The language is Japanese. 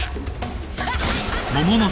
ハハハハ！